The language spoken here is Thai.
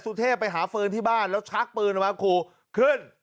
สุเทพไปหาเฟิร์นที่บ้านแล้วชักปืนออกมาขู่ขึ้น